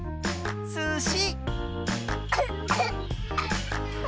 すし！